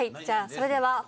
じゃあそれでは。